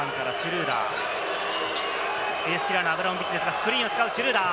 スクリーンを使うシュルーダー。